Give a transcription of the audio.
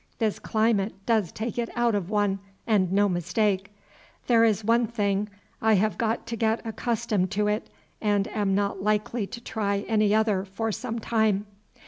This climate does take it out of one and no mistake. There is one thing, I have got to get accustomed to it, and am not likely to try any other for some time."